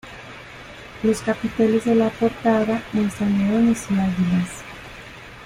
Los capiteles de la portada muestran leones y águilas.